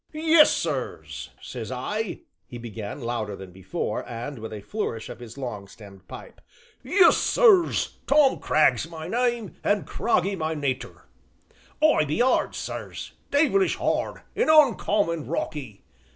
"'Yes, sirs,' says I," he began, louder than before, and with a flourish of his long stemmed pipe, "'yes, sirs, Tom Cragg's my name an' craggy's my natur,' says I. 'I be 'ard, sirs, dey vilish 'ard an' uncommon rocky!